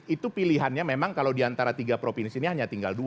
itu pilihannya memang kalau diantara tiga provinsi ini hanya tinggal dua